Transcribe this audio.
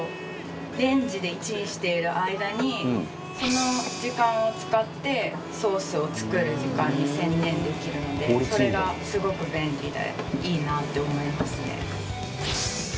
その時間を使ってソースを作る時間に専念できるのでそれがすごく便利でいいなって思いますね。